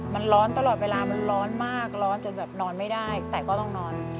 มันร้อนตลอดเวลามันร้อนมากร้อนจนแบบนอนไม่ได้แต่ก็ต้องนอน